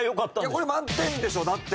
これ満点でしょだって。